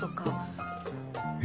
え？